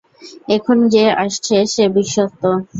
এখন যে আসছে সে বিশ্বস্ত।